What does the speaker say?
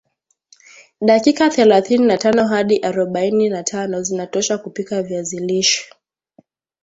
dakika thelathini na tano hadi arobaini na tano zinatosha kupika viazi lishe